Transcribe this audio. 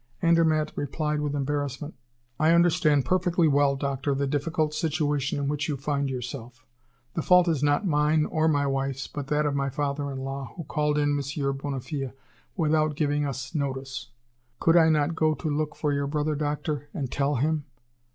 Andermatt replied with embarrassment: "I understand perfectly well, doctor, the difficult situation in which you find yourself. The fault is not mine or my wife's, but that of my father in law, who called in M. Bonnefille without giving us notice. Could I not go to look for your brother doctor, and tell him?